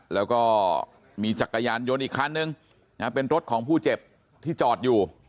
แล้วก็มีจักรยานยนต์อีกคันนึงเป็นรถของผู้เจ็บที่จอดอยู่